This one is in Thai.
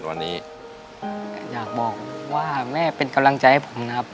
วันนี้อยากบอกว่าแม่เป็นกำลังใจให้ผมนะครับ